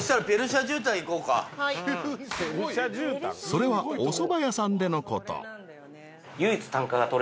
［それはおそば屋さんでのこと］